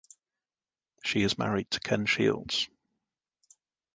She is married to Ken Shields.